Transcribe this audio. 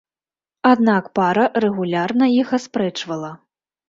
Аднак пара рэгулярна іх аспрэчвала.